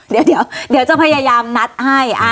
เดี๋ยวเดี๋ยวจะพยายามนัดให้